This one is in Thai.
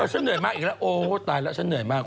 ฉันเหนื่อยมากอีกแล้วโอ้ตายแล้วฉันเหนื่อยมาก